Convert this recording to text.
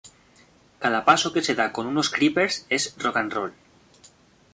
Cada paso que se da con unos creepers es rock n' roll.